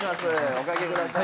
お掛けください。